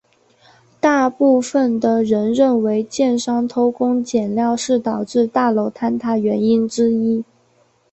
大部分的人认为建商偷工减料是导致大楼坍塌原因之一。